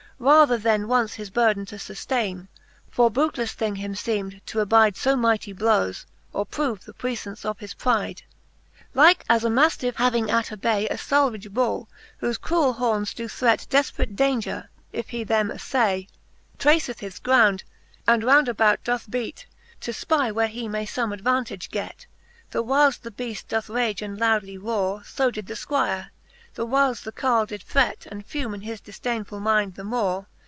Rather then once his burden to fuftaine : For bootelefle thing him feemed, to abide. So mighty blowes, or prove the puiffance of his pride. XLvn. Like as a maftiffe having at a bay A falvage bull, whofe cruell homes doe threat Defperate daunger, if he them afiay, Traceth his ground, and round about doth beat, To fpy where he may fome advantage get ; The whiles the beaft doth rage and loudly rore : So did the Squire, the whiles the Carle did fret, And fume in his difdainefull mynd the more.